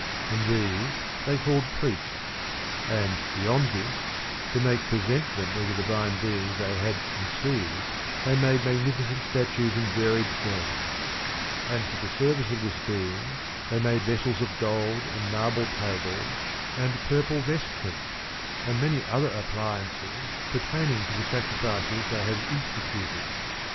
And these they called priests. And beyond this, to make presentment of the divine being they had conceived, they made magnificent statues in varied forms ; and for the service of this being they made vessels of gold, and marble tables, and purple vestments, and many other appliances pertaining to the sacrifices they had instituted.